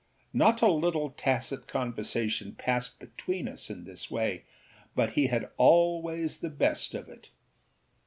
Not a little tacit conversation passed between us in this way, but he had always the best of it.